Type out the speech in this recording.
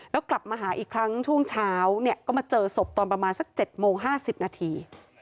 แล้วกลับมาหาอีกครั้งช่วงเช้าเนี่ยก็มาเจอศพตอนประมาณสัก๗โมง๕๐นาที